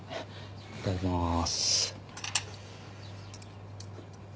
いただきます。